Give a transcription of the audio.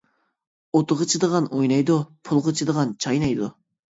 ئوتىغا چىدىغان ئوينايدۇ، پۇلىغا چىدىغان چاينايدۇ.